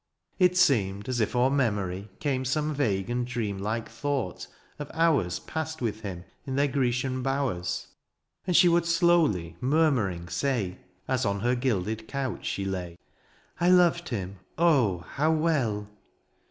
It seemed as if o^er memory came Some vague and dream Uke thought of hours Passed with him in their Grecian bowers : And she would slowly murmuring say. As on her gilded couch she lay, '^ I loved him, oh ! how well